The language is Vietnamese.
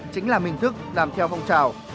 chính là mình thức làm theo phong trào